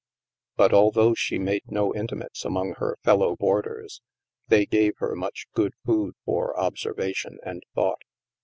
But although she made no intimates among her fellow boarders, they gave her much good food for observation and thought.